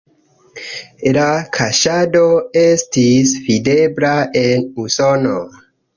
La kaŝado estis videbla en Usono.